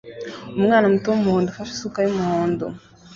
Umwana muto wumuhondo ufashe isuka yumuhondo